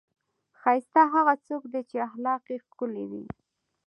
ښایسته هغه څوک دی، چې اخلاق یې ښکلي وي.